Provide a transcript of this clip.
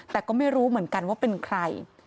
แต่ก็ไม่รู้เหมือนกันว่าเป็นใคร